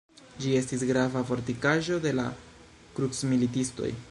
Ĝi estis grava fortikaĵo de la krucmilitistoj.